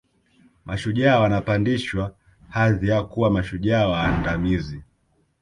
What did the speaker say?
Mashujaa wanapandishwa hadhi ya kuwa mashujaa waandamizi